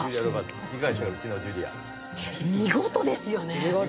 見事ですよね。